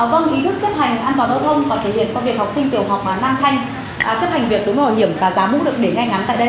vâng ý thức chấp hành an toàn giao thông và thể hiện công việc học sinh tiểu học nam thanh chấp hành việc đúng hồi hiểm và giá mũ được đến ngay ngắn tại đây